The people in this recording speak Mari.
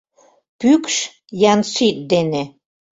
Пӱкш — Янсит дене.